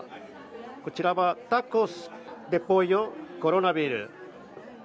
こちらはタコス・デ・ポジョ、コロナビール。